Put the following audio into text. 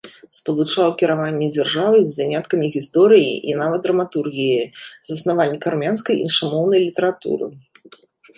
Спалучаў кіраванне дзяржавай з заняткамі гісторыяй і нават драматургіяй, заснавальнік армянскай іншамоўнай літаратуры.